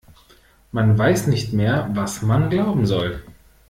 Man weiß nicht mehr, was man glauben soll.